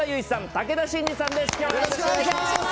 武田真治さんです。